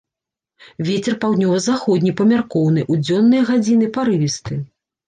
Вецер паўднёва-заходні памяркоўны, у дзённыя гадзіны парывісты.